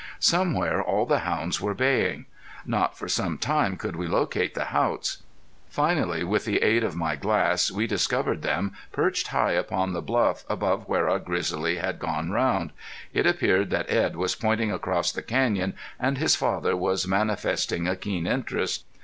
Somewhere all the hounds were baying. Not for some time could we locate the Haughts. Finally with the aid of my glass we discovered them perched high upon the bluff above where our grizzly had gone round. It appeared that Edd was pointing across the canyon and his father was manifesting a keen interest.